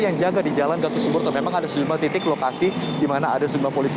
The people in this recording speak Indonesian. yang jaga di jalan gatot suburto memang ada sejumlah titik lokasi di mana ada sejumlah polisi